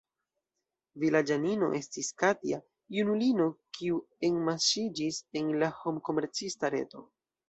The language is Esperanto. Vilaĝanino estis Katja, junulino, kiu enmaŝiĝis en la homkomercista reto.